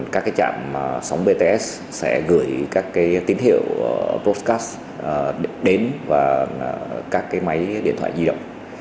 các cái trạm sóng bts sẽ gửi các cái tín hiệu broadcast đến các cái máy điện thoại di động